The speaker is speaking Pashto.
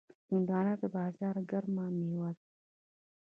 هندوانه د بازار ګرم میوه ده.